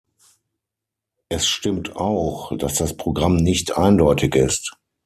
Es stimmt auch, dass das Programm nicht eindeutig ist.